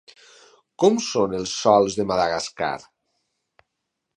Com són els sòls de Madagascar?